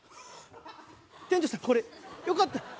店長さんこれよかったら。